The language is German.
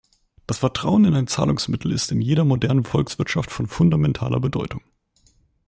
Das Vertrauen in ein Zahlungsmittel ist in jeder modernen Volkswirtschaft von fundamentaler Bedeutung.